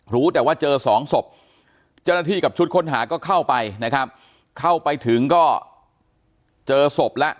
รู้แต่ว่าเจอสองศพเจ้าหน้าที่กับชุดค้นหาก็เข้าไปนะครับเข้าไปถึงก็เจอศพแล้ว